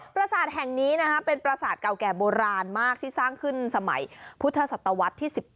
ประสาทแห่งนี้เป็นประสาทเก่าแก่โบราณมากที่สร้างขึ้นสมัยพุทธศตวรรษที่๑๘